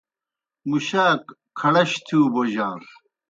مُشاک کھڑش تِھیؤ بوجانوْ۔